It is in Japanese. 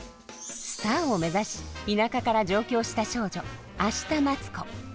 スターを目指し田舎から上京した少女明日待子。